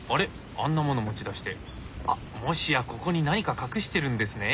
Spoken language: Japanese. あんなもの持ち出してもしやここに何か隠してるんですね？